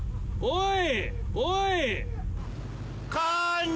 おい！